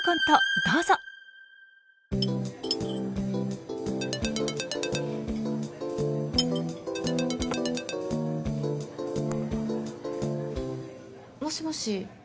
どうぞ！もしもし。